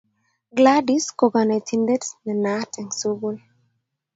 Gladys ko kanetindet ne naat en sukul